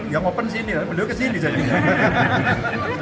yang open sini beliau kesini jadinya